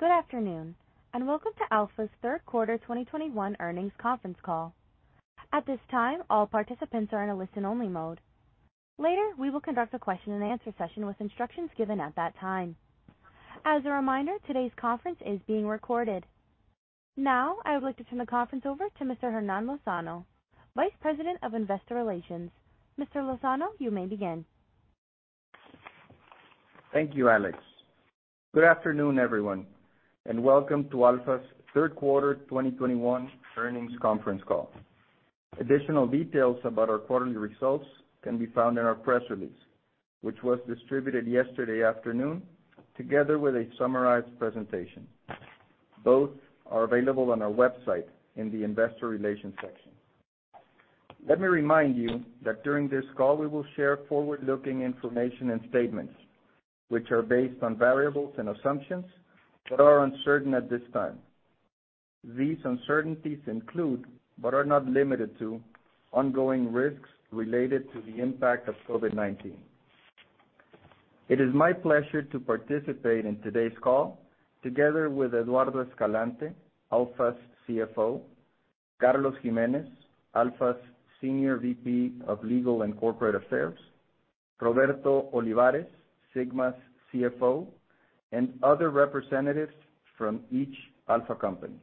Good afternoon. Welcome to Alfa's Third Quarter 2021 Earnings Conference Call. At this time, all participants are in a listen-only mode. Later, we will conduct a question and answer session with instructions given at that time. As a reminder, today's conference is being recorded. Now, I would like to turn the conference over to Mr. Hernán Lozano, Vice President of Investor Relations. Mr. Lozano, you may begin. Thank you, Alex. Good afternoon, everyone, and welcome to Alfa's third quarter 2021 earnings conference call. Additional details about our quarterly results can be found in our press release, which was distributed yesterday afternoon, together with a summarized presentation. Both are available on our website in the investor relations section. Let me remind you that during this call, we will share forward-looking information and statements, which are based on variables and assumptions that are uncertain at this time. These uncertainties include, but are not limited to, ongoing risks related to the impact of COVID-19. It is my pleasure to participate in today's call together with Eduardo Escalante, Alfa's CFO, Carlos Jiménez, Alfa's Senior VP of Legal and Corporate Affairs, Roberto Olivares, Sigma's CFO, and other representatives from each Alfa company.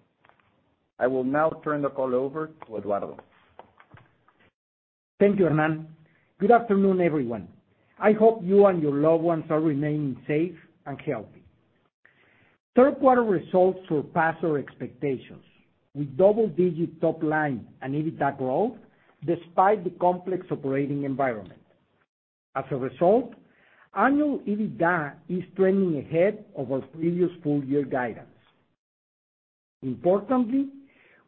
I will now turn the call over to Eduardo. Thank you, Hernán. Good afternoon, everyone. I hope you and your loved ones are remaining safe and healthy. Third quarter results surpassed our expectations, with double-digit top line and EBITDA growth, despite the complex operating environment. As a result, annual EBITDA is trending ahead of our previous full-year guidance. Importantly,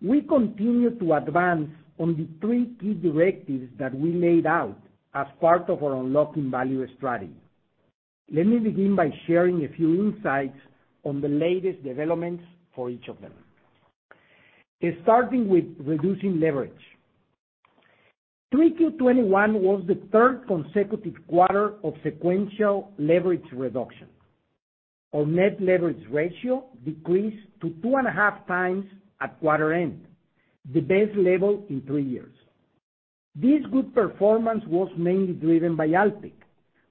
we continue to advance on the three key directives that we laid out as part of our Unlocking Value Strategy. Let me begin by sharing a few insights on the latest developments for each of them. Starting with reducing leverage. Q3 2021 was the third consecutive quarter of sequential leverage reduction. Our net leverage ratio decreased to 2.5 times at quarter end, the best level in three years. This good performance was mainly driven by Alpek,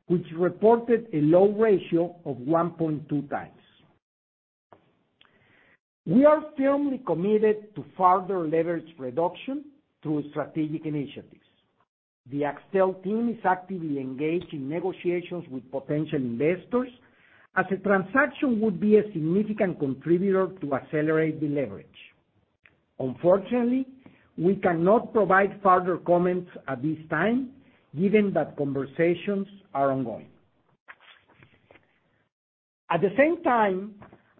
which reported a low ratio of 1.2 times. We are firmly committed to further leverage reduction through strategic initiatives. The Axtel team is actively engaged in negotiations with potential investors, as a transaction would be a significant contributor to accelerate the leverage. Unfortunately, we cannot provide further comments at this time, given that conversations are ongoing. At the same time,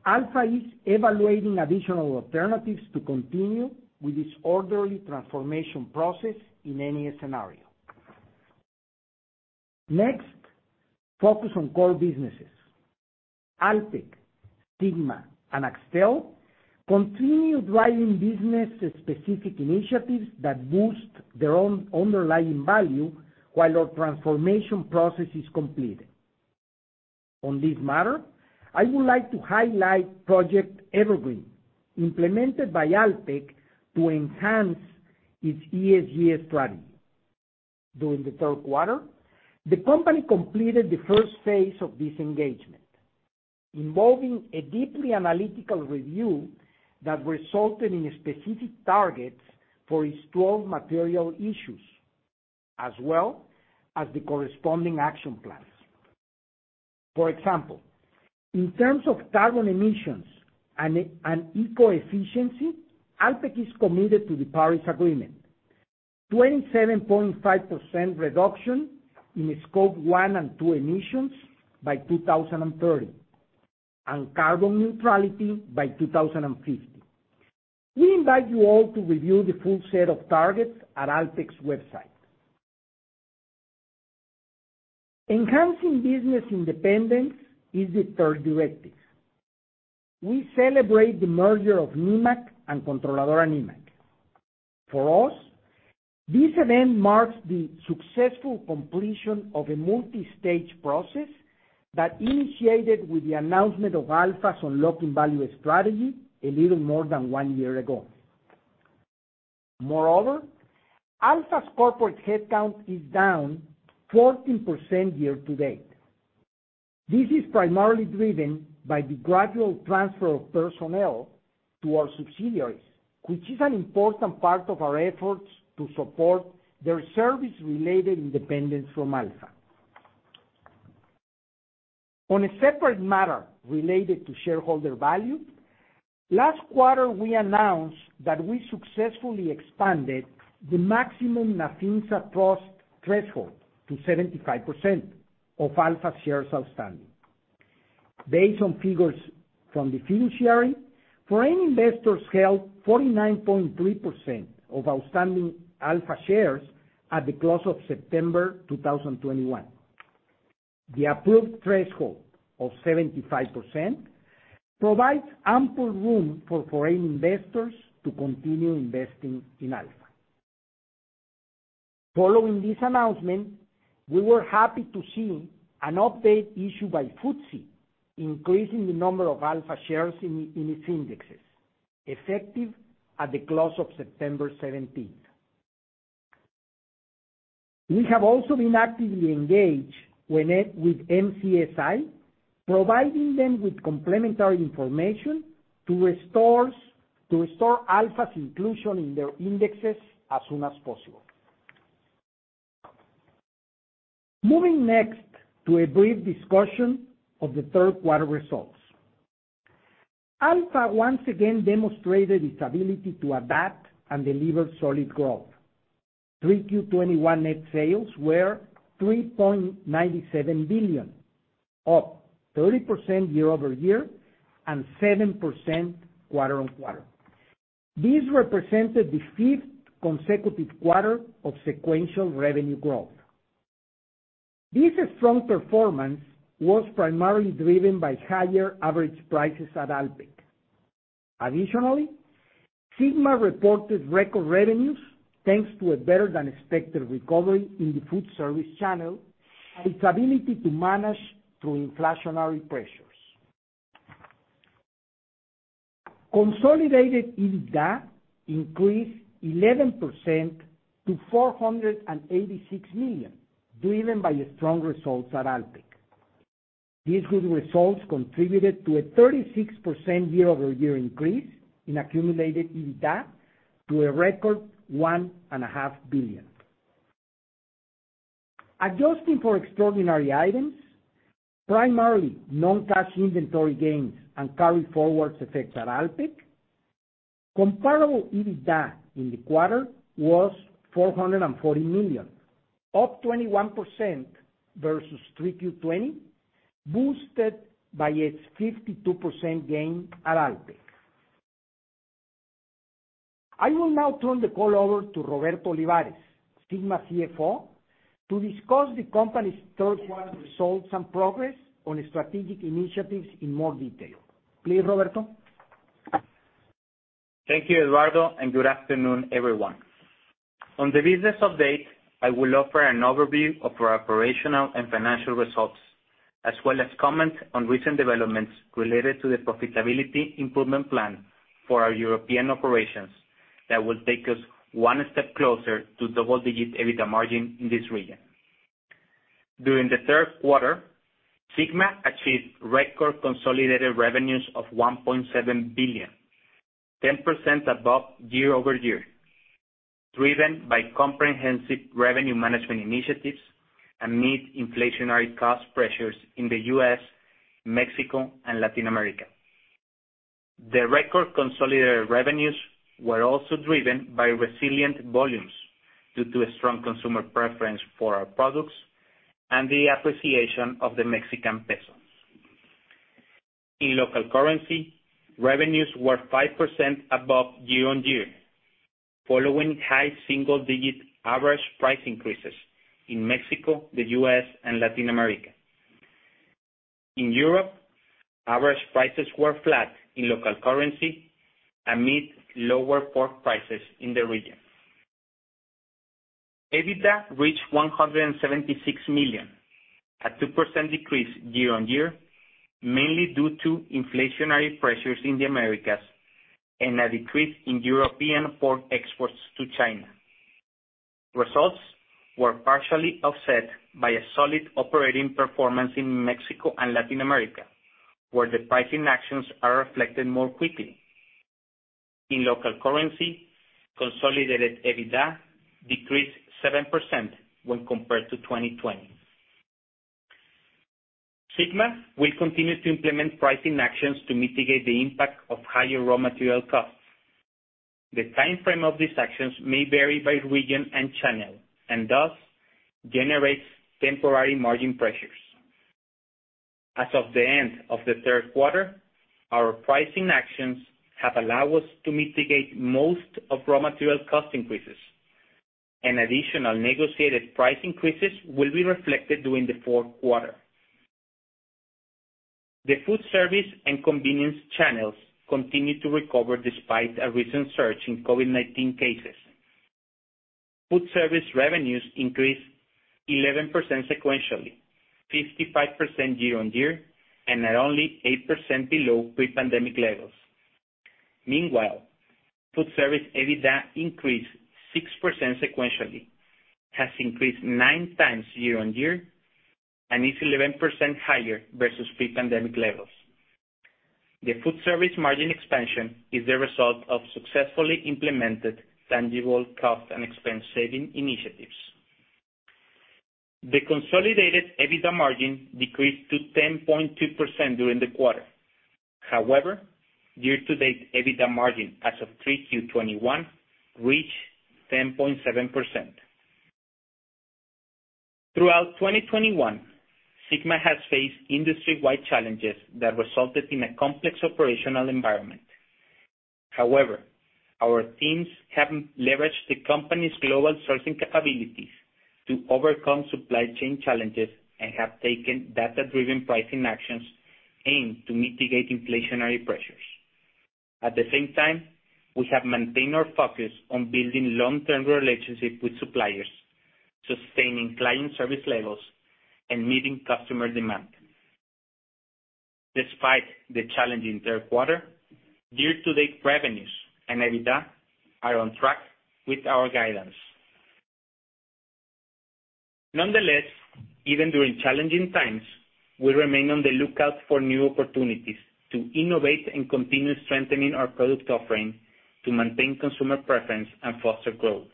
Alfa is evaluating additional alternatives to continue with its orderly transformation process in any scenario. Next, focus on core businesses. Alpek, Sigma, and Axtel continue driving business-specific initiatives that boost their own underlying value while our transformation process is completed. On this matter, I would like to highlight Project Evergreen, implemented by Alpek to enhance its ESG strategy. During the third quarter, the company completed the first phase of this engagement, involving a deeply analytical review that resulted in specific targets for its 12 material issues, as well as the corresponding action plans. For example, in terms of carbon emissions and eco-efficiency, Alpek is committed to the Paris Agreement, 27.5% reduction in scope one and two emissions by 2030, and carbon neutrality by 2050. We invite you all to review the full set of targets at Alpek's website. Enhancing business independence is the third directive. We celebrate the merger of Nemak and Controladora Nemak. For us, this event marks the successful completion of a multi-stage process that initiated with the announcement of Alfa's Unlocking Value Strategy a little more than one year ago. Alfa's corporate headcount is down 14% year to date. This is primarily driven by the gradual transfer of personnel to our subsidiaries, which is an important part of our efforts to support their service-related independence from Alfa. On a separate matter related to shareholder value, last quarter, we announced that we successfully expanded the maximum Nafinsa trust threshold to 75% of Alfa shares outstanding. Based on figures from the fiduciary, foreign investors held 49.3% of outstanding Alfa shares at the close of September 2021. The approved threshold of 75% provides ample room for foreign investors to continue investing in Alfa. Following this announcement, we were happy to see an update issued by FTSE increasing the number of Alfa shares in its indexes, effective at the close of September 17th. We have also been actively engaged with MSCI, providing them with complementary information to restore Alfa's inclusion in their indexes as soon as possible. Moving next to a brief discussion of the third quarter results. Alfa once again demonstrated its ability to adapt and deliver solid growth. Q3 2021 net sales were 3.97 billion, up 30% year-over-year and 7% quarter-on-quarter. This represented the 5th consecutive quarter of sequential revenue growth. This strong performance was primarily driven by higher average prices at Alpek. Additionally, Sigma reported record revenues, thanks to a better-than-expected recovery in the food service channel and its ability to manage through inflationary pressures. Consolidated EBITDA increased 11% to 486 million, driven by strong results at Alpek. These good results contributed to a 36% year-over-year increase in accumulated EBITDA to a record one and a half billion. Adjusting for extraordinary items, primarily non-cash inventory gains and carryforwards effects at Alpek, comparable EBITDA in the quarter was 440 million, up 21% versus Q3 2020, boosted by a 52% gain at Alpek. I will now turn the call over to Roberto Olivares, Sigma CFO, to discuss the company's third quarter results and progress on strategic initiatives in more detail. Please, Roberto. Thank you, Eduardo, and good afternoon, everyone. On the business update, I will offer an overview of our operational and financial results, as well as comment on recent developments related to the profitability improvement plan for our European operations that will take us one step closer to double-digit EBITDA margin in this region. During the third quarter, Sigma achieved record consolidated revenues of $1.7 billion, 10% above year-over-year, driven by comprehensive revenue management initiatives amid inflationary cost pressures in the U.S., Mexico, and Latin America. The record consolidated revenues were also driven by resilient volumes due to a strong consumer preference for our products and the appreciation of the Mexican peso. In local currency, revenues were 5% above year-on-year, following high single-digit average price increases in Mexico, the U.S., and Latin America. In Europe, average prices were flat in local currency amid lower pork prices in the region. EBITDA reached 176 million, a 2% decrease year-on-year, mainly due to inflationary pressures in the Americas and a decrease in European pork exports to China. Results were partially offset by a solid operating performance in Mexico and Latin America, where the pricing actions are reflected more quickly. In local currency, consolidated EBITDA decreased 7% when compared to 2020. Sigma will continue to implement pricing actions to mitigate the impact of higher raw material costs. The timeframe of these actions may vary by region and channel, and thus, generates temporary margin pressures. As of the end of the third quarter, our pricing actions have allowed us to mitigate most of raw material cost increases, and additional negotiated price increases will be reflected during the fourth quarter. The food service and convenience channels continue to recover despite a recent surge in COVID-19 cases. Food service revenues increased 11% sequentially, 55% year-on-year, and are only 8% below pre-pandemic levels. Meanwhile, food service EBITDA increased 6% sequentially, has increased nine times year-on-year, and is 11% higher versus pre-pandemic levels. The food service margin expansion is the result of successfully implemented tangible cost and expense-saving initiatives. The consolidated EBITDA margin decreased to 10.2% during the quarter. However, year-to-date EBITDA margin as of Q3 2021 reached 10.7%. Throughout 2021, Sigma has faced industry-wide challenges that resulted in a complex operational environment. Our teams have leveraged the company's global sourcing capabilities to overcome supply chain challenges and have taken data-driven pricing actions aimed to mitigate inflationary pressures. We have maintained our focus on building long-term relationships with suppliers, sustaining client service levels, and meeting customer demand. Despite the challenging third quarter, year-to-date revenues and EBITDA are on track with our guidance. Even during challenging times, we remain on the lookout for new opportunities to innovate and continue strengthening our product offering to maintain consumer preference and foster growth.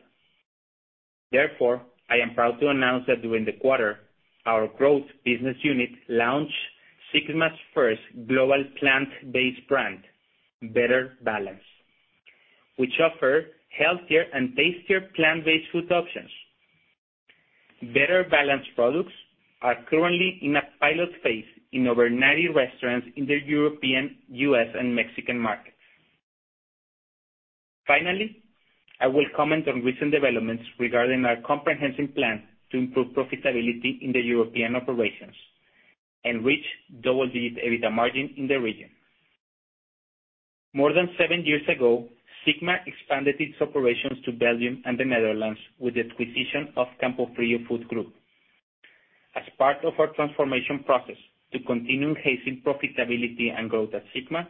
I am proud to announce that during the quarter, our growth business unit launched Sigma's first global plant-based brand, Better Balance, which offer healthier and tastier plant-based food options. Better Balance products are currently in a pilot phase in over 90 restaurants in the European, U.S., and Mexican markets. Finally, I will comment on recent developments regarding our comprehensive plan to improve profitability in the European operations and reach double-digit EBITDA margin in the region. More than seven years ago, Sigma expanded its operations to Belgium and the Netherlands with the acquisition of Campofrío Food Group. As part of our transformation process to continue raising profitability and growth at Sigma,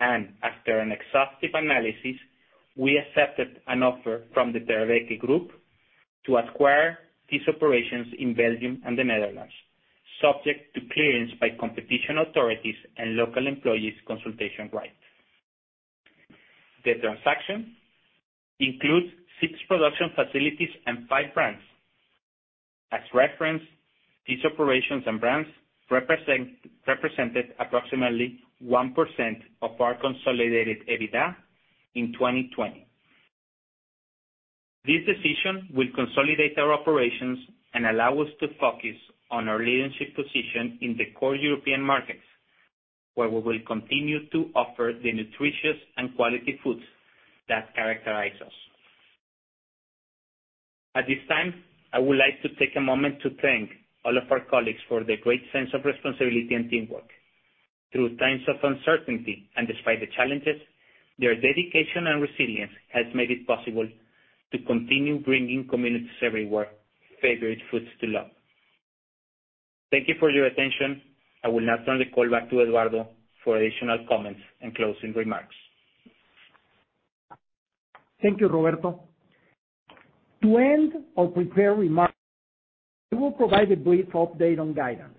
and after an exhaustive analysis, we accepted an offer from the Ter Beke Group to acquire these operations in Belgium and the Netherlands, subject to clearance by competition authorities and local employees' consultation rights. The transaction includes 6 production facilities and five brands. As reference, these operations and brands represented approximately 1% of our consolidated EBITDA in 2020. This decision will consolidate our operations and allow us to focus on our leadership position in the core European markets, where we will continue to offer the nutritious and quality foods that characterize us. At this time, I would like to take a moment to thank all of our colleagues for their great sense of responsibility and teamwork. Through times of uncertainty and despite the challenges, their dedication and resilience has made it possible to continue bringing communities everywhere favorite foods to love. Thank you for your attention. I will now turn the call back to Eduardo for additional comments and closing remarks. Thank you, Roberto. To end our prepared remarks, we will provide a brief update on guidance.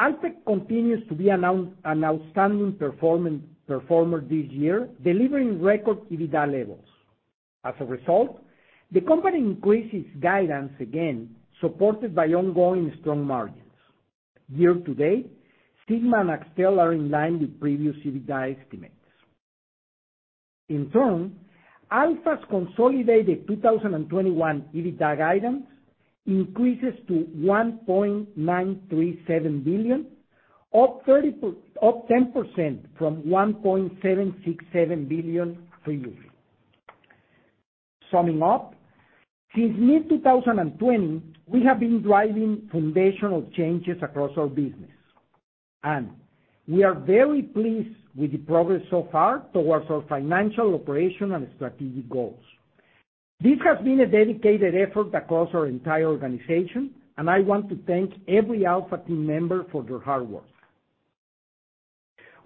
Alpek continues to be an outstanding performer this year, delivering record EBITDA levels. As a result, the company increased its guidance again, supported by ongoing strong margins. Year to date, Sigma and Axtel are in line with previous EBITDA estimates. In turn, Alfa's consolidated 2021 EBITDA guidance increases to $1.937 billion, up 10% from $1.767 billion previously. Summing up, since mid-2020, we have been driving foundational changes across our business, and we are very pleased with the progress so far towards our financial operation and strategic goals. This has been a dedicated effort across our entire organization, and I want to thank every Alfa team member for their hard work.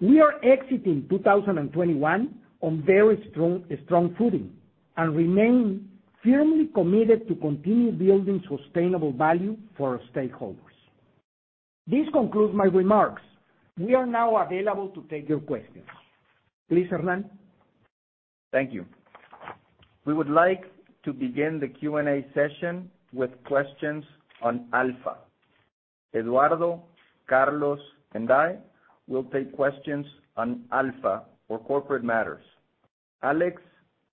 We are exiting 2021 on very strong footing and remain firmly committed to continue building sustainable value for our stakeholders. This concludes my remarks. We are now available to take your questions. Please, Hernán. Thank you. We would like to begin the Q&A session with questions on Alfa. Eduardo, Carlos, and I will take questions on Alfa or corporate matters. Alex,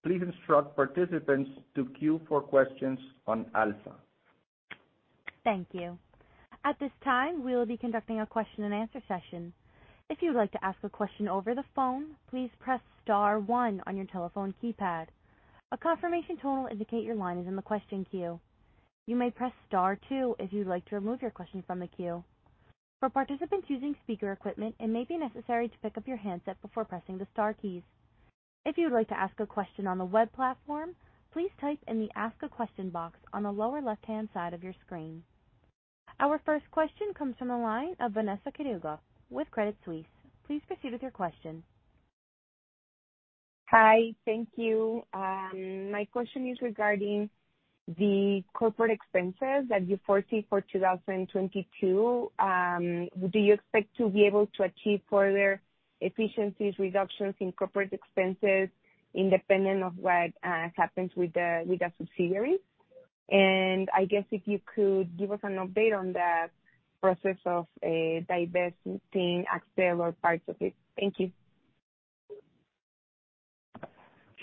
please instruct participants to queue for questions on Alfa. Thank you. At this time, we will be conducting a question and answer session. If you would like to ask a question over the phone, please press star one on your telephone keypad. A confirmation tone will indicate your line is in the question queue. You may press star two if you'd like to remove your question from the queue. For participants using speaker equipment, it may be necessary to pick up your handset before pressing the star keys. If you would like to ask a question on the web platform, please type in the ask a question box on the lower left-hand side of your screen. Our first question comes from the line of Vanessa Quiroga with Credit Suisse. Please proceed with your question. Hi. Thank you. My question is regarding the corporate expenses that you foresee for 2022. Do you expect to be able to achieve further efficiencies, reductions in corporate expenses, independent of what happens with the subsidiaries? I guess if you could give us an update on that process of divesting Axtel or parts of it. Thank you.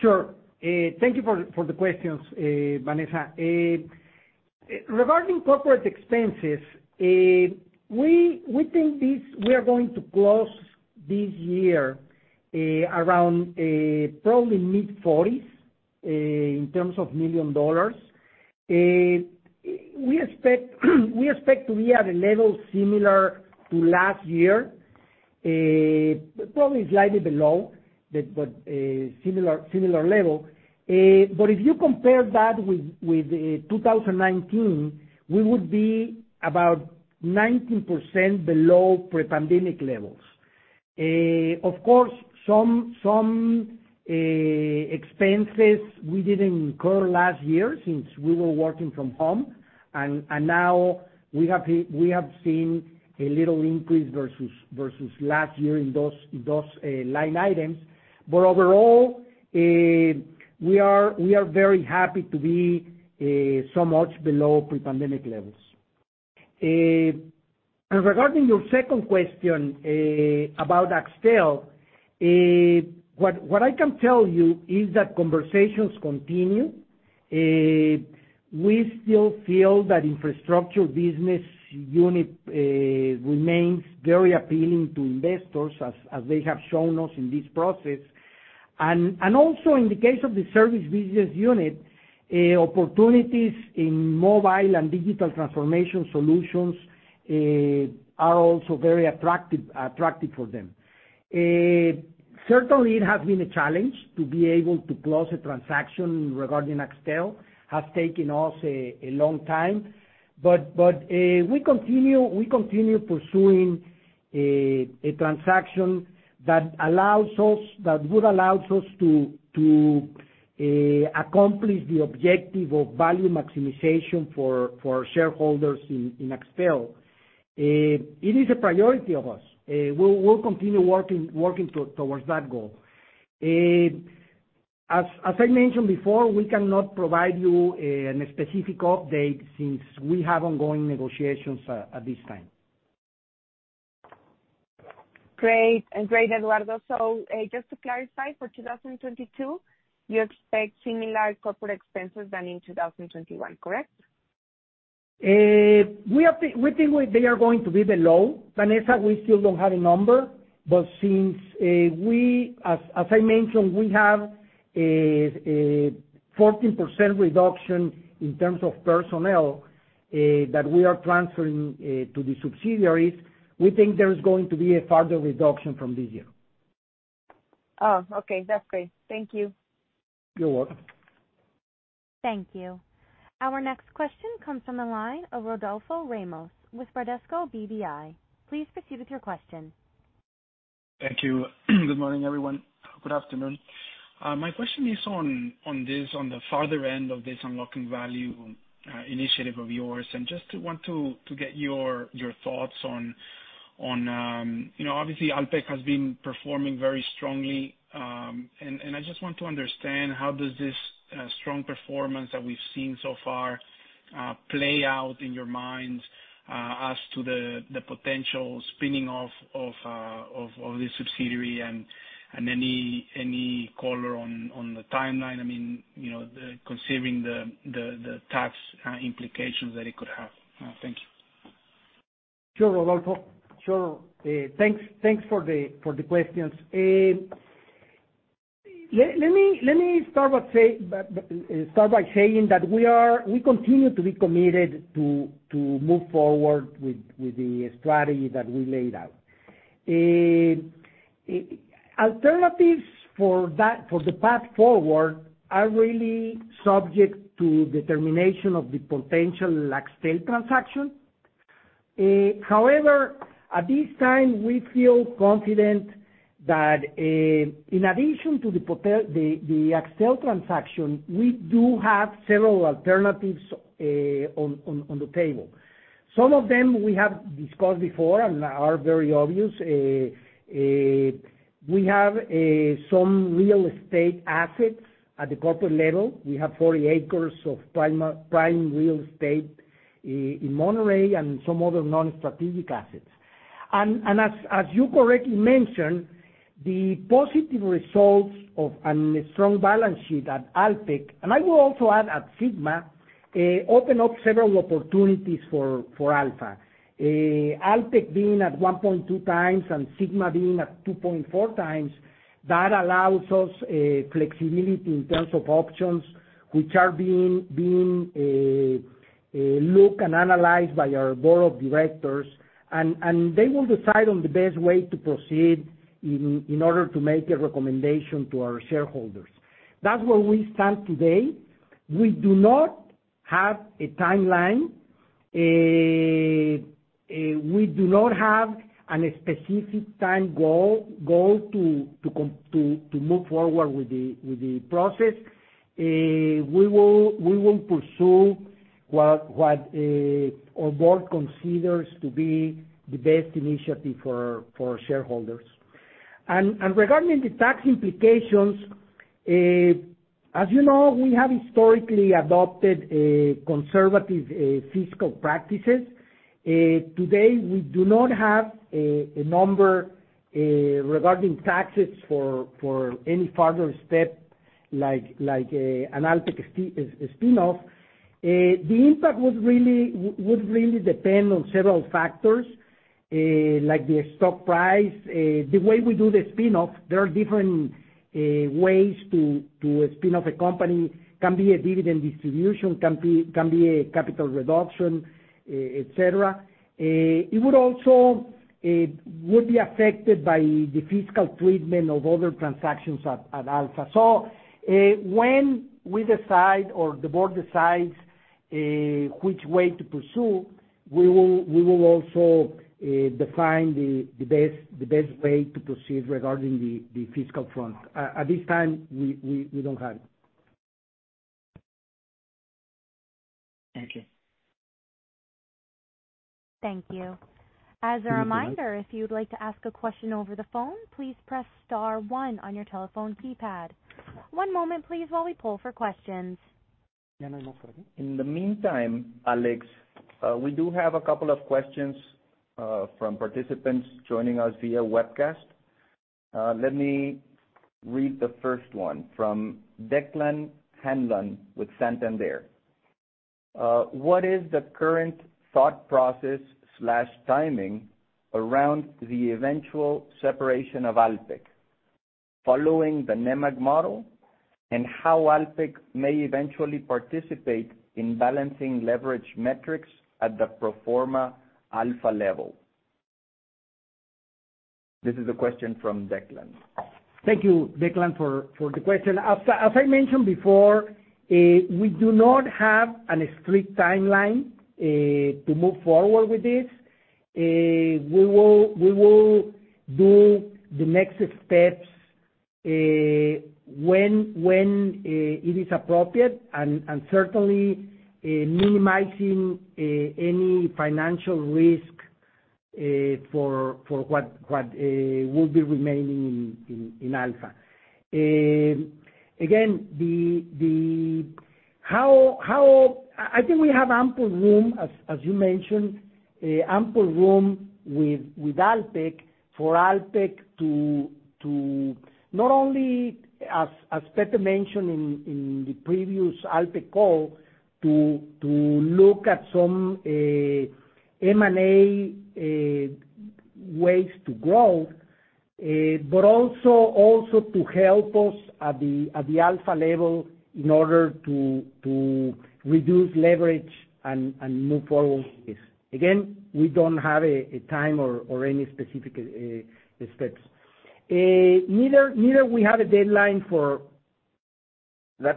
Sure. Thank you for the questions, Vanessa. Regarding corporate expenses, we think we are going to close this year around probably $mid-40s million. We expect to be at a level similar to last year, probably slightly below, but similar level. If you compare that with 2019, we would be about 19% below pre-pandemic levels. Of course, some expenses we didn't incur last year since we were working from home, and now we have seen a little increase versus last year in those line items. Overall, we are very happy to be so much below pre-pandemic levels. Regarding your second question about Axtel, what I can tell you is that conversations continue. We still feel that infrastructure business unit remains very appealing to investors as they have shown us in this process. Also in the case of the service business unit, opportunities in mobile and digital transformation solutions are also very attractive for them. Certainly, it has been a challenge to be able to close a transaction regarding Axtel, has taken us a long time. We continue pursuing a transaction that would allow us to accomplish the objective of value maximization for shareholders in Axtel. It is a priority of ours. We'll continue working towards that goal. As I mentioned before, we cannot provide you a specific update since we have ongoing negotiations at this time. Great. Great, Eduardo. Just to clarify, for 2022, you expect similar corporate expenses than in 2021, correct? We think they are going to be below, Vanessa. We still don't have a number, since, as I mentioned, we have a 14% reduction in terms of personnel that we are transferring to the subsidiaries, we think there is going to be a further reduction from this year. Oh, okay. That's great. Thank you. You're welcome. Thank you. Our next question comes from the line of Rodolfo Ramos with Bradesco BBI. Please proceed with your question. Thank you. Good morning, everyone. Good afternoon. My question is on the farther end of this unlocking value initiative of yours, and just want to get your thoughts on, obviously Alpek has been performing very strongly, and I just want to understand how does this strong performance that we've seen so far play out in your minds as to the potential spinning off of this subsidiary and any color on the timeline. Considering the tax implications that it could have. Thank you. Sure, Rodolfo. Sure. Thanks for the questions. Let me start by saying that we continue to be committed to move forward with the strategy that we laid out. Alternatives for the path forward are really subject to determination of the potential Axtel transaction. At this time, we feel confident that in addition to the Axtel transaction, we do have several alternatives on the table. Some of them we have discussed before and are very obvious. We have some real estate assets at the corporate level. We have 40 acres of prime real estate in Monterrey and some other non-strategic assets. As you correctly mentioned, the positive results of a strong balance sheet at Alpek, and I will also add at Sigma, open up several opportunities for Alfa. Alpek being at 1.2 times and Sigma being at 2.4 times, that allows us flexibility in terms of options, which are being looked and analyzed by our Board of Directors, and they will decide on the best way to proceed in order to make a recommendation to our shareholders. That's where we stand today. We do not have a timeline. We do not have a specific time goal to move forward with the process. We will pursue what our Board considers to be the best initiative for shareholders. Regarding the tax implications, as you know, we have historically adopted conservative fiscal practices. Today, we do not have a number regarding taxes for any further step, like an Alpek spin-off. The impact would really depend on several factors. Like the stock price, the way we do the spin-off, there are different ways to spin off a company. Can be a dividend distribution, can be a capital reduction, et cetera. It would also be affected by the fiscal treatment of other transactions at Alfa. When we decide, or the board decides, which way to pursue, we will also define the best way to proceed regarding the fiscal front. At this time, we don't have it. Thank you. Thank you. As a reminder, if you would like to ask a question over the phone, please press star one on your telephone keypad. One moment please while we pull for questions. Hernán, move forward? In the meantime, Alex, we do have a couple of questions from participants joining us via webcast. Let me read the first one from Declan Hanlon with Santander. What is the current thought process/timing around the eventual separation of Alpek? Following the Nemak model, and how Alpek may eventually participate in balancing leverage metrics at the pro forma Alfa level? This is a question from Declan. Thank you, Declan, for the question. As I mentioned before, we do not have a strict timeline to move forward with this. We will do the next steps when it is appropriate and certainly minimizing any financial risk for what will be remaining in Alfa. Again, I think we have ample room, as you mentioned, ample room with Alpek for Alpek to not only, as Pete mentioned in the previous Alpek call, to look at some M&A ways to grow, but also to help us at the Alfa level in order to reduce leverage and move forward with this. Again, we don't have a time or any specific steps. That's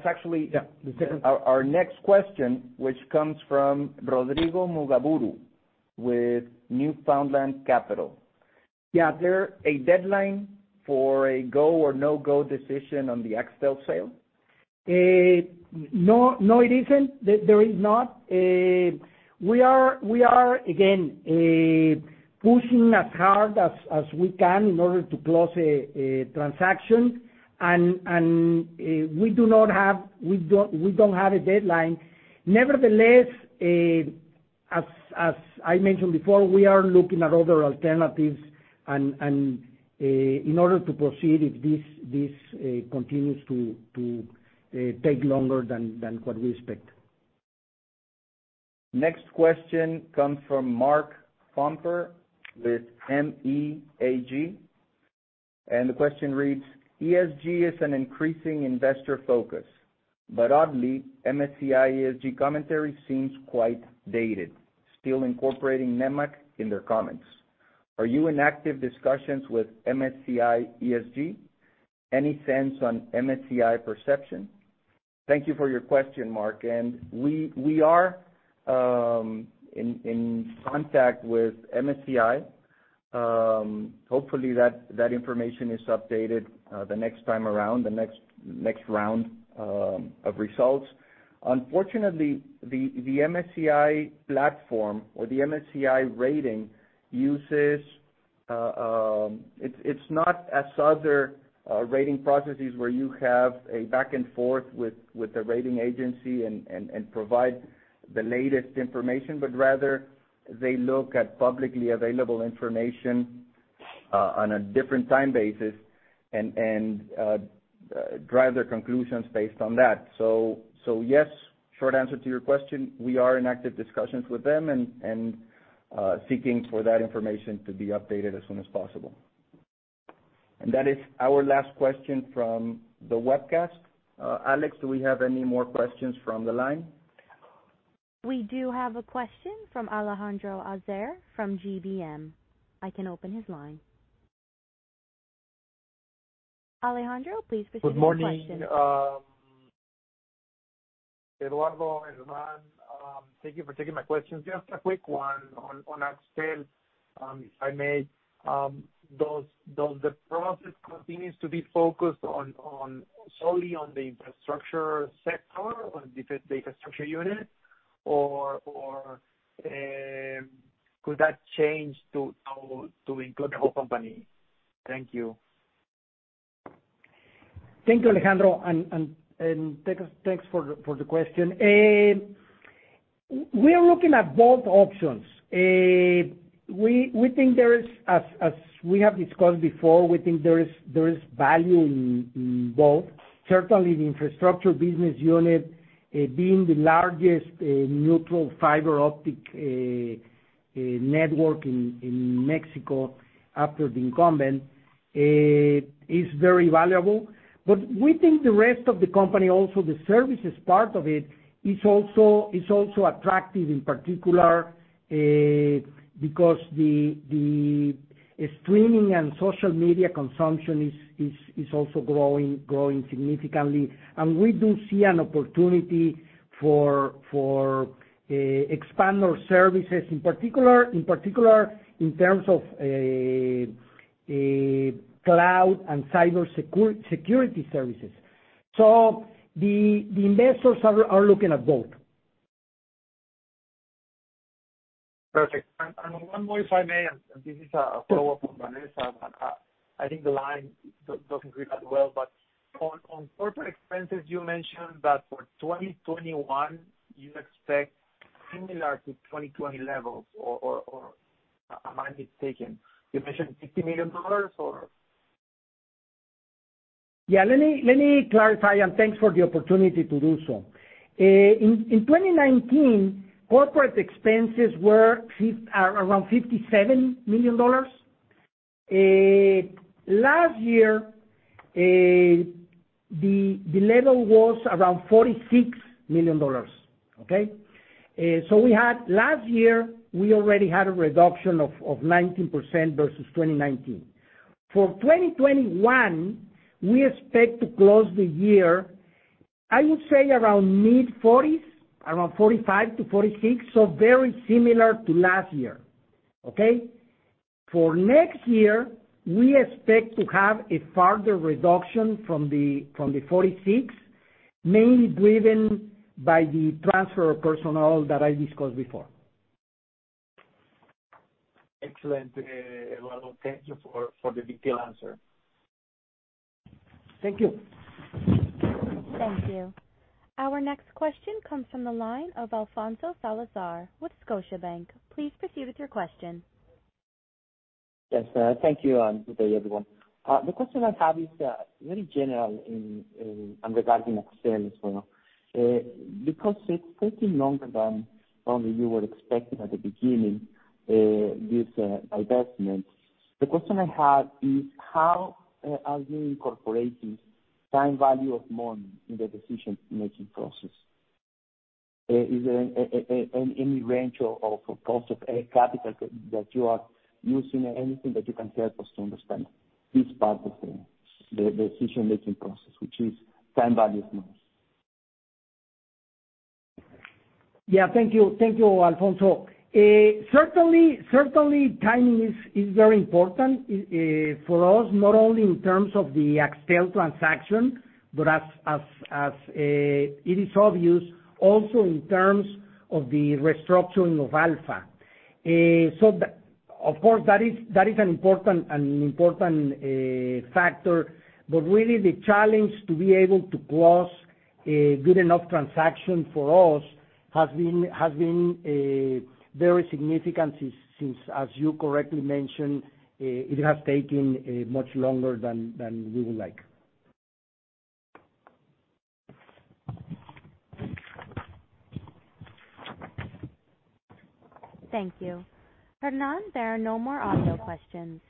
actually our next question, which comes from Rodrigo Mugaburu with Newfoundland Capital. Is there a deadline for a go or no-go decision on the Axtel sale? No, it isn't. There is not. We are, again, pushing as hard as we can in order to close a transaction. We don't have a deadline. Nevertheless, as I mentioned before, we are looking at other alternatives in order to proceed if this continues to take longer than what we expect. Next question comes from Mark Pomper with MEAG. The question reads: ESG is an increasing investor focus, but oddly, MSCI ESG commentary seems quite dated, still incorporating Nemak in their comments. Are you in active discussions with MSCI ESG? Any sense on MSCI perception? Thank you for your question, Mark. We are in contact with MSCI. Hopefully that information is updated the next time around, the next round of results. Unfortunately, the MSCI platform or the MSCI rating, it is not as other rating processes where you have a back and forth with the rating agency and provide the latest information, but rather, they look at publicly available information on a different time basis and drive their conclusions based on that. Yes, short answer to your question, we are in active discussions with them and seeking for that information to be updated as soon as possible. That is our last question from the webcast. Alex, do we have any more questions from the line? We do have a question from Alejandro Azar from GBM. I can open his line. Alejandro, please proceed with your question. Good morning. Eduardo, Hernán, thank you for taking my questions. Just a quick one on Axtel, if I may. Does the process continues to be focused solely on the infrastructure sector or the infrastructure unit, or could that change to include the whole company? Thank you. Thank you, Alejandro, and thanks for the question. We are looking at both options. As we have discussed before, we think there is value in both. Certainly, the infrastructure business unit, being the largest neutral fiber optic network in Mexico after the incumbent, is very valuable. We think the rest of the company, also the services part of it, is also attractive in particular because the streaming and social media consumption is also growing significantly. We do see an opportunity to expand our services, in particular in terms of cloud and cybersecurity services. The investors are looking at both. Perfect. One more, if I may. This is a follow-up on Vanessa. I think the line doesn't read that well, but on corporate expenses, you mentioned that for 2021, you expect similar to 2020 levels or am I mistaken? You mentioned MXN 50 million or? Yeah, let me clarify, thanks for the opportunity to do so. In 2019, corporate expenses were around $57 million. Last year, the level was around $46 million. Okay. Last year, we already had a reduction of 19% versus 2019. For 2021, we expect to close the year, I would say around mid-40s, around $45 million-$46 million, very similar to last year. Okay. For next year, we expect to have a further reduction from the $46 million, mainly driven by the transfer of personnel that I discussed before. Excellent. Well, thank you for the detailed answer. Thank you. Thank you. Our next question comes from the line of Alfonso Salazar with Scotiabank. Please proceed with your question. Yes. Thank you. Good day, everyone. The question I have is very general and regarding Axtel as well. Because it's taking longer than probably you were expecting at the beginning, this divestment. The question I have is how are you incorporating time value of money in the decision-making process? Is there any range of cost of capital that you are using or anything that you can help us to understand this part of the decision-making process, which is time value of money? Yeah. Thank you, Alfonso. Certainly, timing is very important for us, not only in terms of the Axtel transaction, but as it is obvious, also in terms of the restructuring of Alfa. Of course, that is an important factor. Really the challenge to be able to close a good enough transaction for us has been very significant, since, as you correctly mentioned, it has taken much longer than we would like. Thank you. Hernán, there are no more audio questions.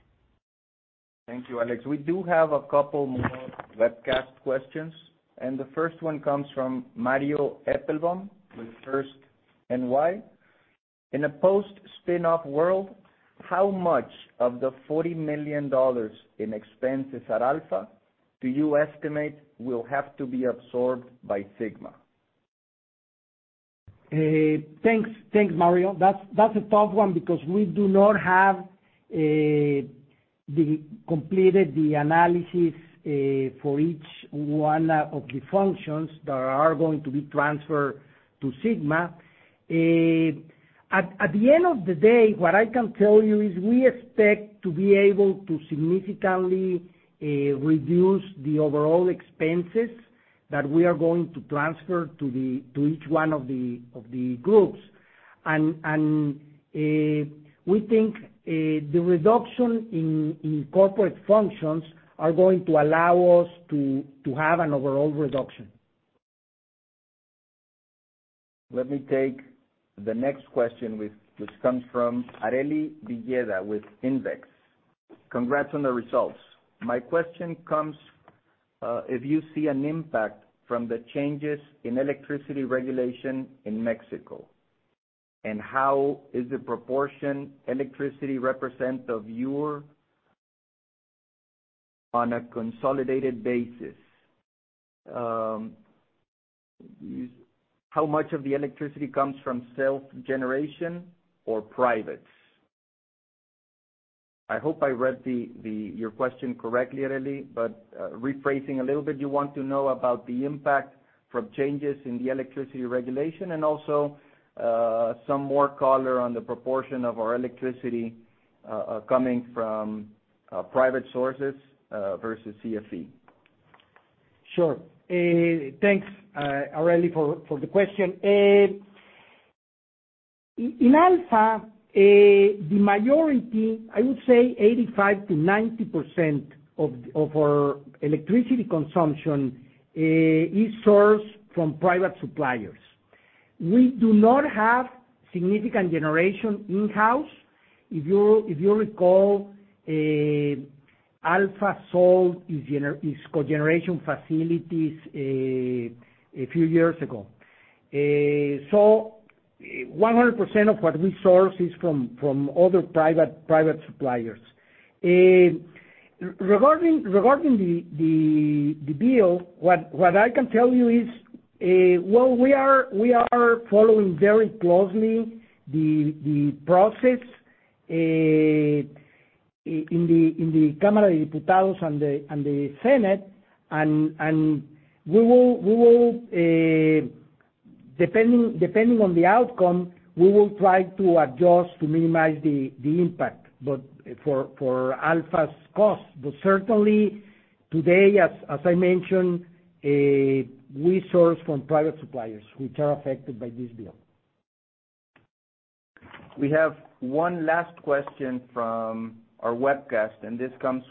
Thank you, Alex. We do have a couple more webcast questions. The first one comes from Mario Epelbaum with First NY. In a post-spin-off world, how much of the MXN 40 million in expenses at Alfa do you estimate will have to be absorbed by Sigma? Thanks, Mario. That's a tough one because we do not have the completed analysis for each one of the functions that are going to be transferred to Sigma. At the end of the day, what I can tell you is we expect to be able to significantly reduce the overall expenses that we are going to transfer to each one of the groups. We think the reduction in corporate functions are going to allow us to have an overall reduction. Let me take the next question, which comes from Arell Villeda with GBM. Congrats on the results. My question comes, if you see an impact from the changes in electricity regulation in Mexico, and how is the proportion electricity represent of your, on a consolidated basis? How much of the electricity comes from self-generation or privates? I hope I read your question correctly, Arely, but rephrasing a little bit, you want to know about the impact from changes in the electricity regulation and also some more color on the proportion of our electricity coming from private sources versus CFE. Sure. Thanks, Arely, for the question. In Alfa, the majority, I would say 85%-90% of our electricity consumption is sourced from private suppliers. We do not have significant generation in-house. If you recall, Alfa sold its cogeneration facilities a few years ago. 100% of what we source is from other private suppliers. Regarding the bill, what I can tell you is, we are following very closely the process in the Cámara de Diputados and the Senate. Depending on the outcome, we will try to adjust to minimize the impact for Alfa's cost. Certainly, today, as I mentioned, we source from private suppliers, which are affected by this bill. We have one last question from our webcast, and this comes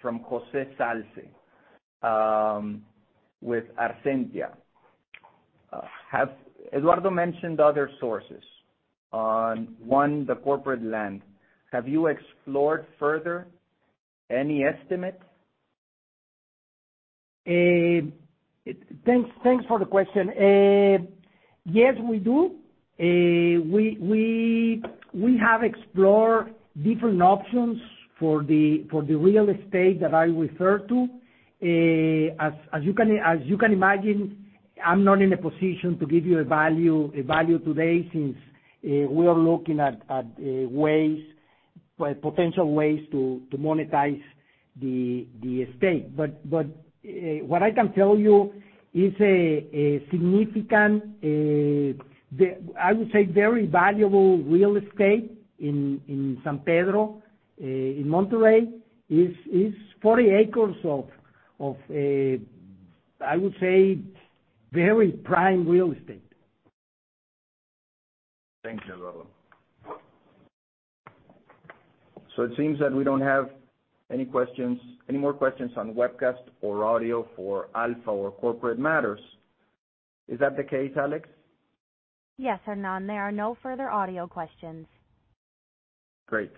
from José Salce with Arzentia. Eduardo mentioned other sources. One, the corporate land. Have you explored further? Any estimate? Thanks for the question. Yes, we do. We have explored different options for the real estate that I referred to. As you can imagine, I'm not in a position to give you a value today, since we are looking at potential ways to monetize the estate. What I can tell you, it's a significant, I would say, very valuable real estate in San Pedro. In Monterrey, it's 40 acres of, I would say, very prime real estate. Thanks, Eduardo. It seems that we don't have any more questions on webcast or audio for Alfa or corporate matters. Is that the case, Alex? Yes, Hernán. There are no further audio questions. Great.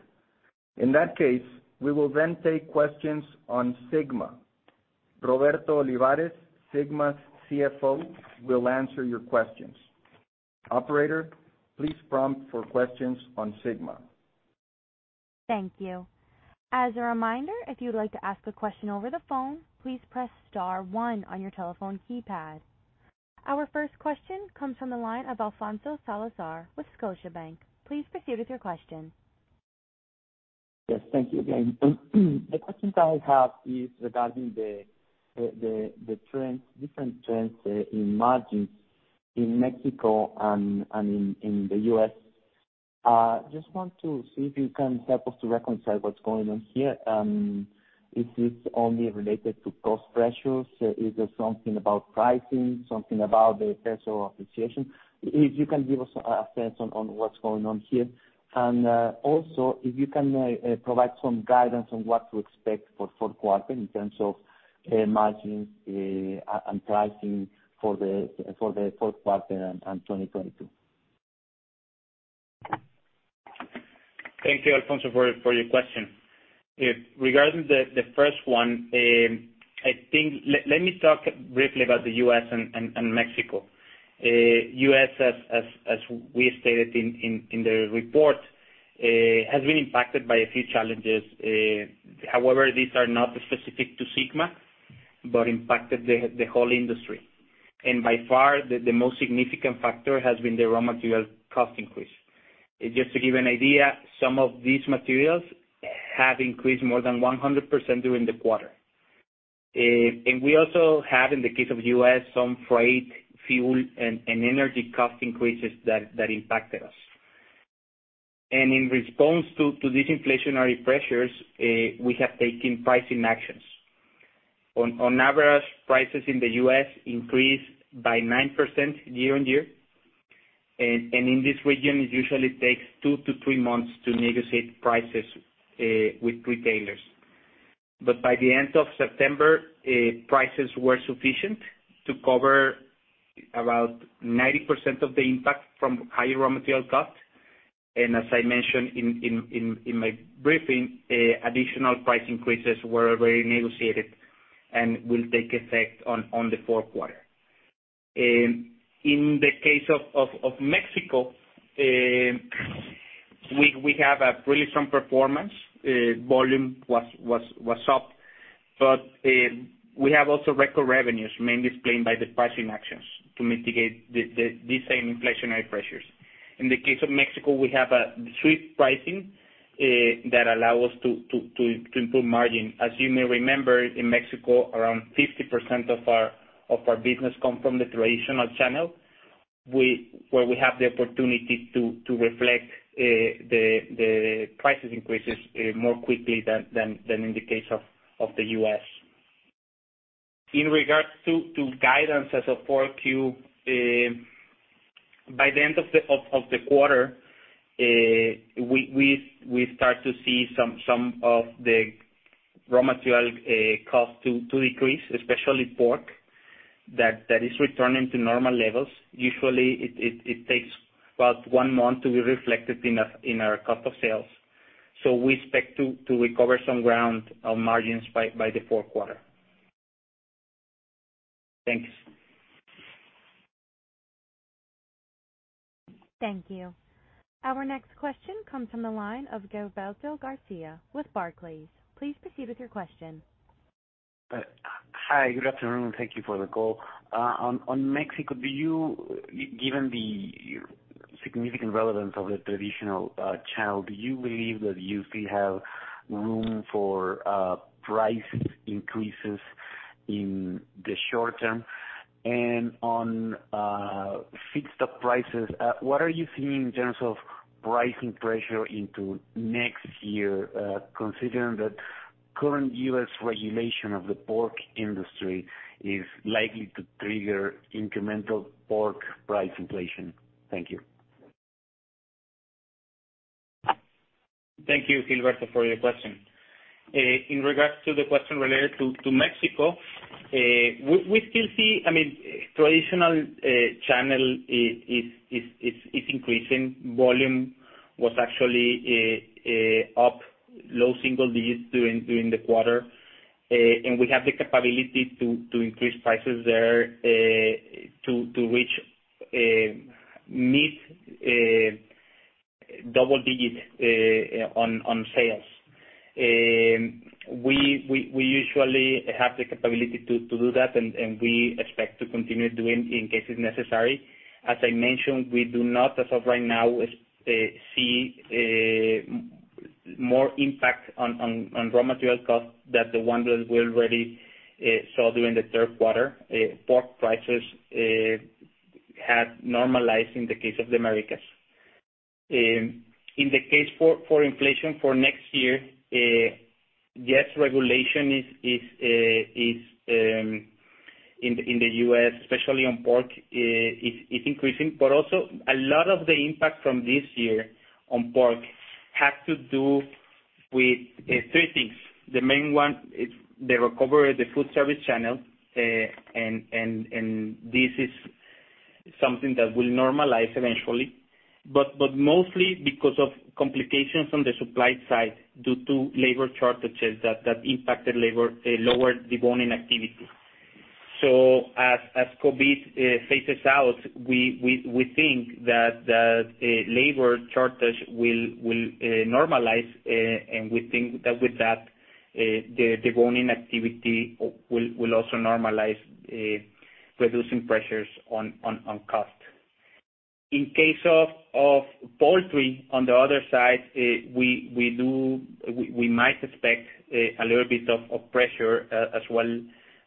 In that case, we will then take questions on Sigma. Roberto Olivares, Sigma's CFO, will answer your questions. Operator, please prompt for questions on Sigma. Thank you. As a reminder, if you'd like to ask a question over the phone, please press star one on your telephone keypad. Our first question comes from the line of Alfonso Salazar with Scotiabank. Please proceed with your question. Yes. Thank you again. The question that I have is regarding the different trends in margins in Mexico and in the U.S. Just want to see if you can help us to reconcile what's going on here. Is this only related to cost pressures? Is there something about pricing, something about the peso appreciation? If you can give us a sense on what's going on here, and also if you can provide some guidance on what to expect for fourth quarter in terms of margins and pricing for the fourth quarter and 2022. Thank you, Alfonso, for your question. Regarding the first one, let me talk briefly about the U.S. and Mexico. U.S., as we stated in the report, has been impacted by a few challenges. However, these are not specific to Sigma, but impacted the whole industry. By far, the most significant factor has been the raw material cost increase. Just to give you an idea, some of these materials have increased more than 100% during the quarter. We also have, in the case of U.S., some freight, fuel, and energy cost increases that impacted us. In response to these inflationary pressures, we have taken pricing actions. On average, prices in the U.S. increased by 9% year-on-year. In this region, it usually takes two-three months to negotiate prices with retailers. By the end of September, prices were sufficient to cover about 90% of the impact from higher raw material costs. As I mentioned in my briefing, additional price increases were already negotiated and will take effect on the fourth quarter. In the case of Mexico, we have a really strong performance. Volume was up. We have also record revenues, mainly explained by the pricing actions to mitigate these same inflationary pressures. In the case of Mexico, we have a sweet pricing that allow us to improve margin. As you may remember, in Mexico, around 50% of our business come from the traditional channel, where we have the opportunity to reflect the price increases more quickly than in the case of the U.S. In regards to guidance as of 4Q, by the end of the quarter, we start to see some of the raw material cost to decrease, especially pork, that is returning to normal levels. Usually, it takes about one month to be reflected in our cost of sales. We expect to recover some ground on margins by the fourth quarter. Thanks. Thank you. Our next question comes from the line of Gilberto Garcia with Barclays. Please proceed with your question. Hi. Good afternoon. Thank you for the call. On Mexico, given the significant relevance of the traditional channel, do you believe that you still have room for price increases in the short term? On fixed prices, what are you seeing in terms of pricing pressure into next year, considering that current U.S. regulation of the pork industry is likely to trigger incremental pork price inflation? Thank you. Thank you, Gilberto, for your question. In regards to the question related to Mexico, we still see traditional channel is increasing. Volume was actually up low single digits during the quarter, and we have the capability to increase prices there to reach mid-double digits on sales. We usually have the capability to do that, and we expect to continue doing in case it is necessary. As I mentioned, we do not, as of right now, see more impact on raw material costs than the one that we already saw during the third quarter. Pork prices have normalized in the case of the Americas. In the case for inflation for next year, yes, regulation in the U.S., especially on pork, is increasing. Also, a lot of the impact from this year on pork had to do with three things. The main one is the recovery of the food service channel, and this is something that will normalize eventually. Mostly because of complications on the supply side due to labor shortages that impacted labor, they lowered deboning activity. As COVID phases out, we think that labor shortage will normalize, and we think that with that, the deboning activity will also normalize, reducing pressures on cost. In case of poultry, on the other side, we might expect a little bit of pressure as well,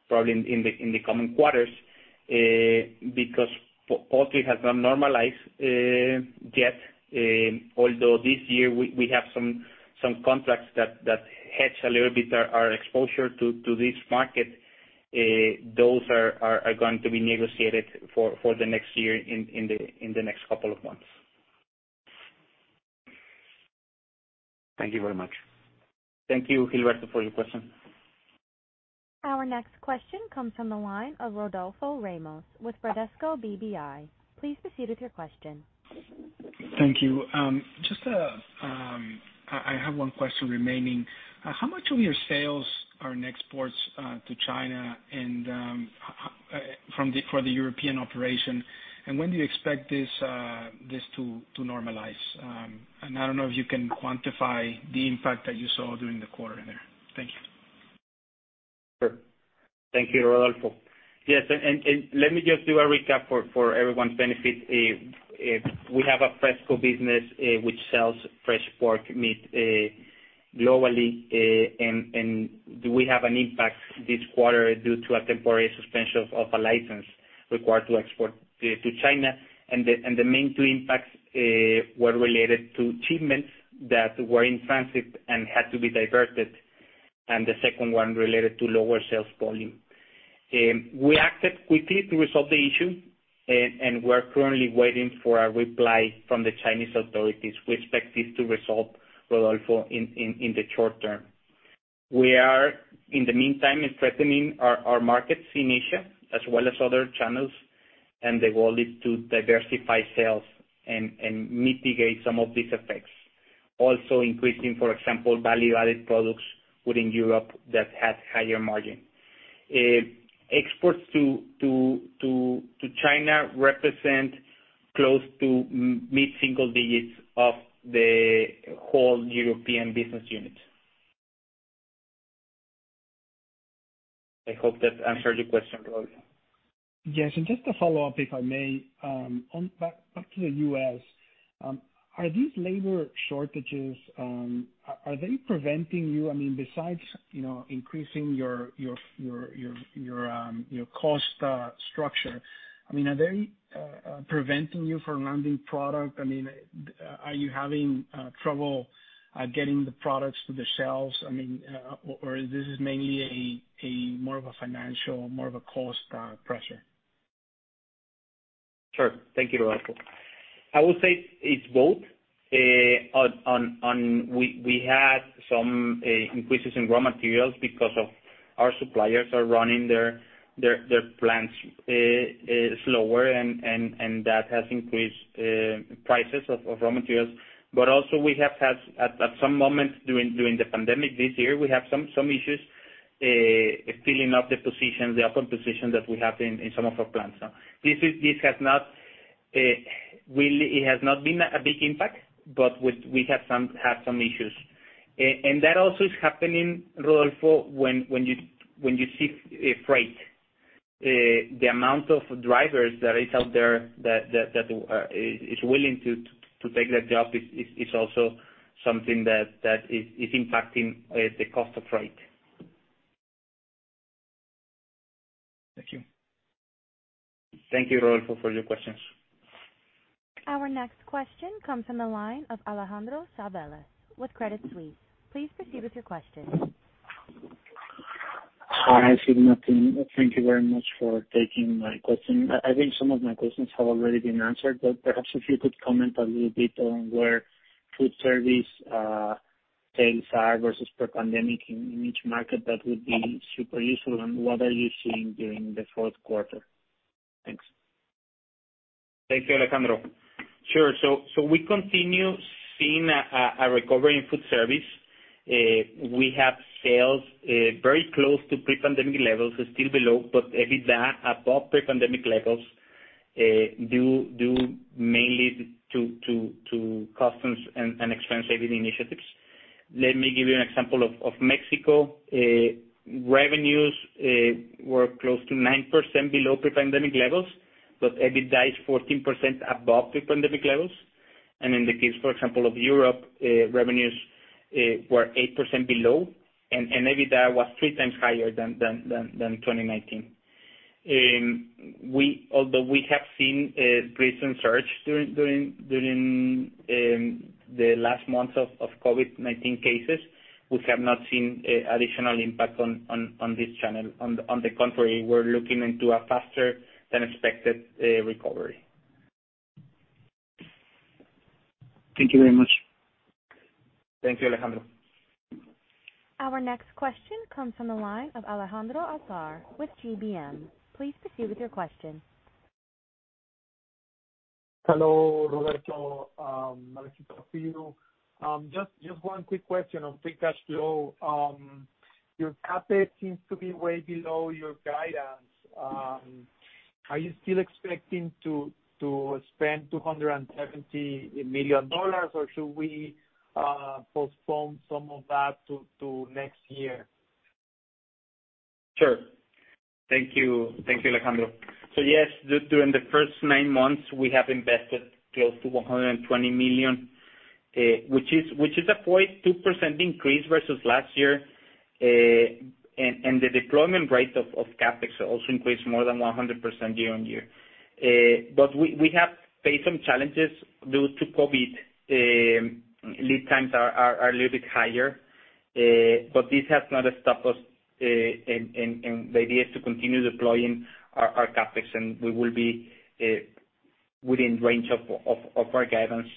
probably in the coming quarters, because poultry has not normalized yet. This year, we have some contracts that hedge a little bit our exposure to this market. Those are going to be negotiated for the next year in the next couple of months. Thank you very much. Thank you, Gilberto, for your question. Our next question comes from the line of Rodolfo Ramos with Bradesco BBI. Please proceed with your question. Thank you. I have 1 question remaining. How much of your sales are in exports to China and for the European operation, and when do you expect this to normalize? I don't know if you can quantify the impact that you saw during the quarter there. Thank you. Sure. Thank you, Rodolfo. Let me just do a recap for everyone's benefit. We have a Fresco business which sells fresh pork meat globally. We have an impact this quarter due to a temporary suspension of a license required to export to China. The main two impacts were related to shipments that were in transit and had to be diverted. The second one related to lower sales volume. We acted quickly to resolve the issue. We're currently waiting for a reply from the Chinese authorities. We expect this to resolve, Rodolfo, in the short term. We are, in the meantime, strengthening our markets in Asia as well as other channels. The goal is to diversify sales and mitigate some of these effects. Also increasing, for example, value-added products within Europe that have higher margin. Exports to China represent close to mid-single digits of the whole European business unit. I hope that answered your question, Rodolfo. Yes, just to follow up, if I may, back to the U.S. Are these labor shortages preventing you, besides increasing your cost structure, are they preventing you from landing product? Are you having trouble getting the products to the shelves? Is this mainly more of a financial, more of a cost pressure? Sure. Thank you, Rodolfo. I would say it's both. We had some increases in raw materials because our suppliers are running their plants slower, and that has increased prices of raw materials. Also we have had, at some moment during the pandemic this year, we have some issues filling up the open position that we have in some of our plants now. It has not been a big impact, but we had some issues. That also is happening, Rodolfo, when you see freight. The amount of drivers that is out there that is willing to take that job is also something that is impacting the cost of freight. Thank you. Thank you, Rodolfo, for your questions. Our next question comes from the line of Alejandro Chavelas with Credit Suisse. Please proceed with your question. Hi, Sigma team. Thank you very much for taking my question. I think some of my questions have already been answered. Perhaps if you could comment a little bit on where food service sales are versus pre-pandemic in each market, that would be super useful. What are you seeing during the fourth quarter? Thanks. Thank you, Alejandro. We continue seeing a recovery in food service. We have sales very close to pre-pandemic levels, still below, but EBITDA above pre-pandemic levels, due mainly to customs and expense-saving initiatives. Let me give you an example of Mexico. Revenues were close to 9% below pre-pandemic levels, but EBITDA is 14% above pre-pandemic levels. In the case, for example, of Europe, revenues were 8% below and EBITDA was 3x higher than 2019. Although we have seen a recent surge during the last months of COVID-19 cases, we have not seen additional impact on this channel. On the contrary, we're looking into a faster-than-expected recovery. Thank you very much. Thank you, Alejandro. Our next question comes from the line of Alejandro Azar with GBM. Please proceed with your question. Hello, Roberto. Alejandro here. Just one quick question on free cash flow. Your CapEx seems to be way below your guidance. Are you still expecting to spend MXN 270 million or should we postpone some of that to next year? Sure. Thank you, Alejandro. Yes, during the first nine months, we have invested close to 120 million, which is a 42% increase versus last year. The deployment rate of CapEx also increased more than 100% year-on-year. We have faced some challenges due to COVID. Lead times are a little bit higher. This has not stopped us, and the idea is to continue deploying our CapEx, and we will be within range of our guidance.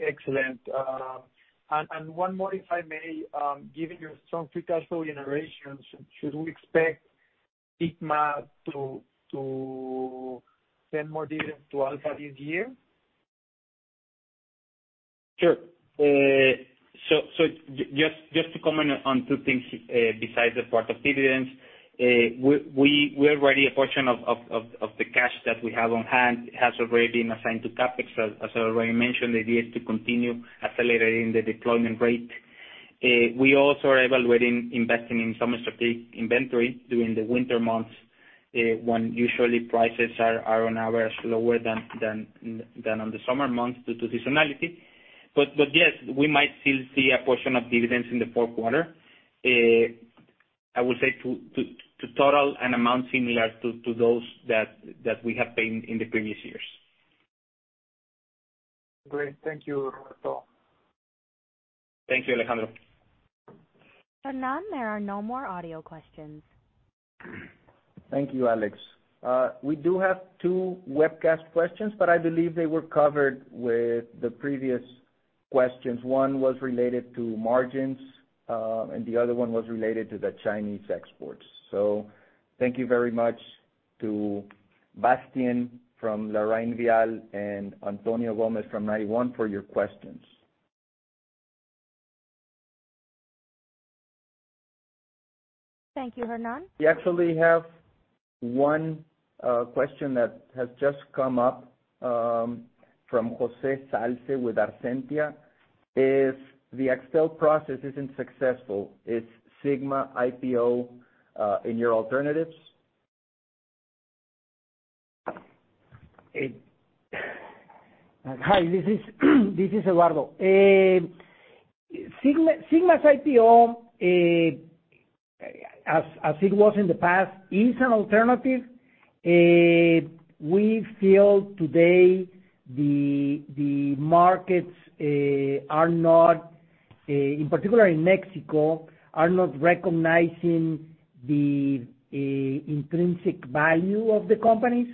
Excellent. One more, if I may. Given your strong free cash flow generation, should we expect Sigma to send more dividends to Alfa this year? Sure. Just to comment on two things besides the part of dividends, a portion of the cash that we have on hand has already been assigned to CapEx. As I already mentioned, the idea is to continue accelerating the deployment rate. We also are evaluating investing in some strategic inventory during the winter months, when usually prices are on average lower than on the summer months due to seasonality. Yes, we might still see a portion of dividends in the fourth quarter, I would say to total an amount similar to those that we have paid in the previous years. Great. Thank you, Roberto. Thank you, Alejandro. Hernán, there are no more audio questions. Thank you, Alex. We do have two webcast questions, but I believe they were covered with the previous questions. One was related to margins, and the other one was related to the Chinese exports. Thank you very much to Sebastián from LarrainVial and Antonio Gomes from Ninety One for your questions. Thank you, Hernán. We actually have one question that has just come up, from José Salce with Arzentia. If the Axtel process isn't successful, is Sigma IPO in your alternatives? Hi, this is Eduardo. Sigma's IPO, as it was in the past, is an alternative. We feel today the markets are not... In particular, in Mexico, are not recognizing the intrinsic value of the companies.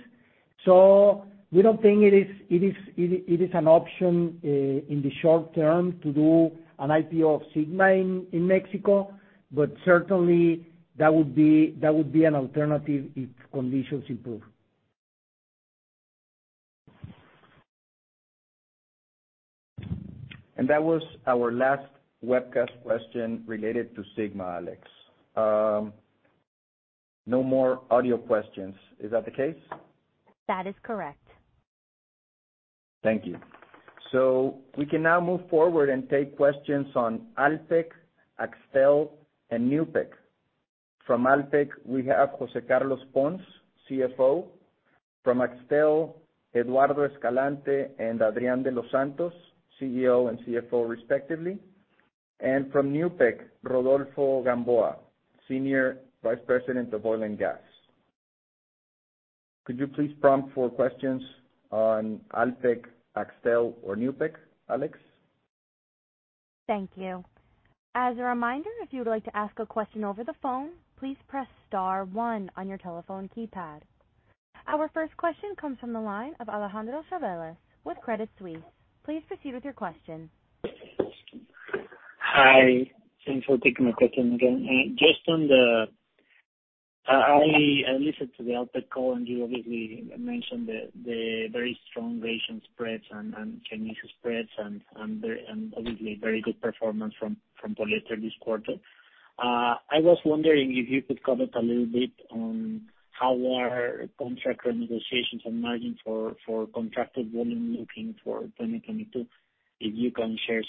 We don't think it is an option in the short term to do an IPO of Sigma in Mexico, but certainly that would be an alternative if conditions improve. That was our last webcast question related to Sigma, Alex. No more audio questions. Is that the case? That is correct. Thank you. We can now move forward and take questions on Alpek, Axtel, and Newpek. From Alpek, we have José Carlos Pons, CFO. From Axtel, Eduardo Escalante and Adrián de los Santos, CEO and CFO respectively. From Newpek, Rodolfo Gamboa, Senior Vice President of Oil and Gas. Could you please prompt for questions on Alpek, Axtel, or Newpek, Alex? Thank you. As a reminder, if you would like to ask a question over the phone, please press star 1 on your telephone keypad. Our first question comes from the line of Alejandro Chavelas with Credit Suisse. Please proceed with your question. Hi. Thanks for taking my question again. I listened to the Alpek call, and you obviously mentioned the very strong Asian spreads and Chinese spreads and obviously very good performance from polyester this quarter. I was wondering if you could comment a little bit on how are contract negotiations and margins for contracted volume looking for 2022. If you can share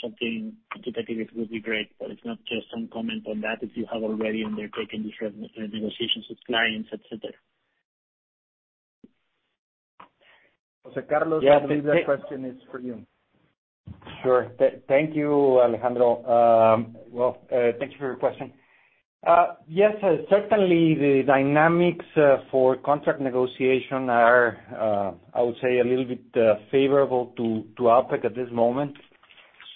something indicative, it would be great. If not, just some comment on that, if you have already undertaken different negotiations with clients, et cetera. José Carlos, I believe that question is for you. Sure. Thank you, Alejandro. Well, thank you for your question. Yes, certainly the dynamics for contract negotiation are, I would say, a little bit favorable to Alpek at this moment.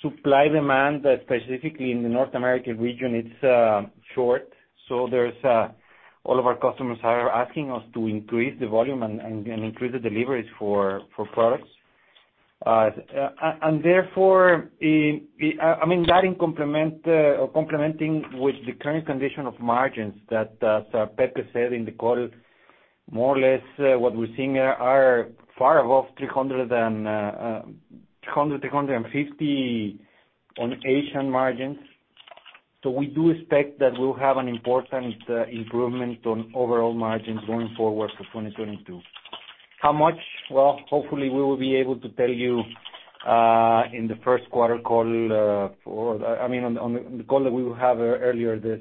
Supply demand, specifically in the North American region, it's short. All of our customers are asking us to increase the volume and increase the deliveries for products. Therefore, that in complementing with the current condition of margins that Pepe said in the call, more or less, what we're seeing are far above 300, 350 on Asian margins. We do expect that we'll have an important improvement on overall margins going forward for 2022. How much? Well, hopefully, we will be able to tell you in the first quarter call, on the call that we will have earlier this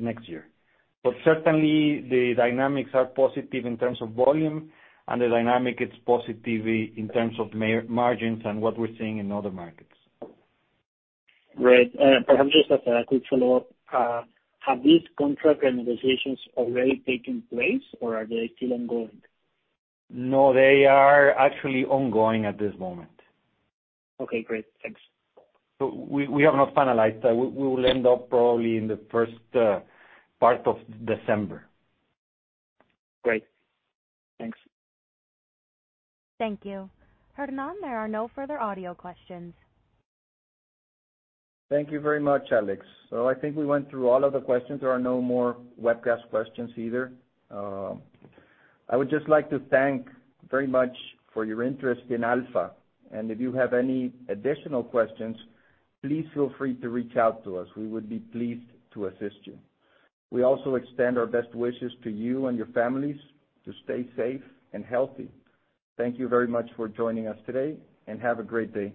next year. Certainly, the dynamics are positive in terms of volume and the dynamic, it's positive in terms of margins and what we're seeing in other markets. Great. Perhaps just a quick follow-up. Have these contract negotiations already taken place, or are they still ongoing? No, they are actually ongoing at this moment. Okay, great. Thanks. We have not finalized that. We will end up probably in the first part of December. Great. Thanks. Thank you. Hernán, there are no further audio questions. Thank you very much, Alex. I think we went through all of the questions. There are no more webcast questions either. I would just like to thank very much for your interest in Alfa, and if you have any additional questions, please feel free to reach out to us. We would be pleased to assist you. We also extend our best wishes to you and your families to stay safe and healthy. Thank you very much for joining us today, and have a great day.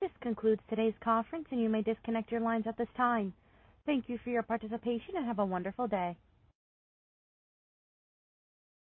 This concludes today's conference, and you may disconnect your lines at this time. Thank you for your participation, and have a wonderful day.